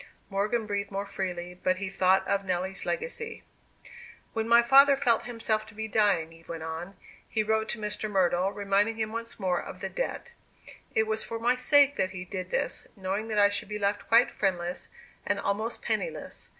Morgan breathed more freely; but he thought of Nelly's legacy. "When my father felt himself to be dying," Eve went on, "he wrote to Mr. Myrtle, reminding him once more of the debt. It was for my sake that he did this, knowing that I should be left quite friendless, and almost penniless.